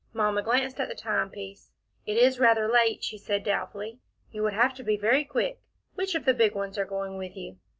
Mamma glanced at the time piece. "It is rather late," she said doubtfully. "You would have to be very quick. Which of the big ones are going with you?"